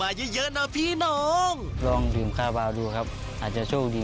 ว้าวแดงช่วยคนไทยสร้างอาชีพปี๒